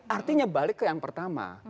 artinya balik ke yang pertama